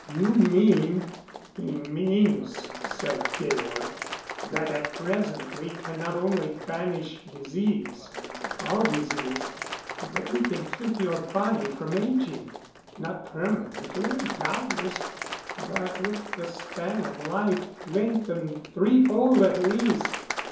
"You mean " "He means," said Georg, "that at present we cannot only banish disease all disease but we can keep your body from aging. Not permanently, doubtless but with the span of life lengthened threefold at least.